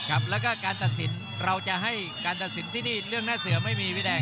ครับแล้วก็การตัดสินเราจะให้การตัดสินที่นี่เรื่องหน้าเสือไม่มีพี่แดง